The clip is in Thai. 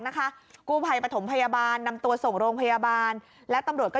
นะคะกูภัยประถมพยาบาลนำตัวส่งโรงพยาบาลและตำรวจก็